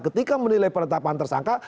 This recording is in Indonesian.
ketika menilai penetapan tersangka